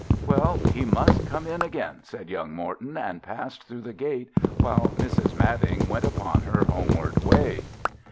"Well, he must come in again," said young Morton, and passed through the gate while Mrs. Madding went upon her homeward way.